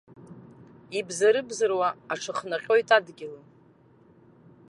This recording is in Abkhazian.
Ибзарыбзаруа аҽыхнаҟьоит адгьыл.